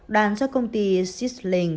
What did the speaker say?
đoàn do công ty sizzling